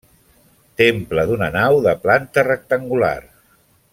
Temple d'una nau, de planta rectangular.